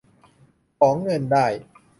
ของเงินได้